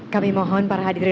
kami mohon para hadirin